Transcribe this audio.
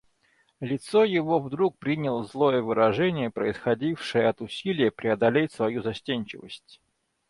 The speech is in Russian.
Лицо его вдруг приняло злое выражение, происходившее от усилия преодолеть свою застенчивость.